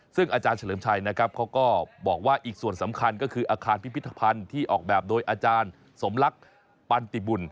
ซึ่งอาจารย์เฉลิมชัยนะครับเขาก็บอกว่าอีกส่วนสำคัญก็คืออาคารพิพิธภัณฑ์ที่ออกแบบโดยอาจารย์สมลักษณ์ปันติบุญ